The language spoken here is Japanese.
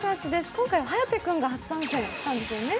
今回は颯君が初参戦したんですよね。